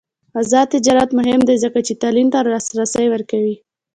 آزاد تجارت مهم دی ځکه چې تعلیم ته لاسرسی ورکوي.